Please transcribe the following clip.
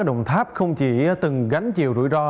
ở đồng tháp không chỉ từng gánh chiều rủi ro